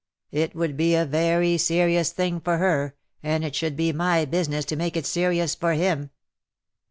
It would be a very serious thing for her — and it should be my business to make it serious for him.